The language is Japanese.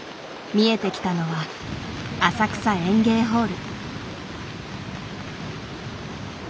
見えてきたのは浅草演芸ホール。